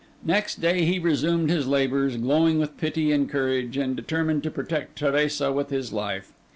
Next day he resumed his labours, glowing with pity and courage, and determined to protect Teresa with his life.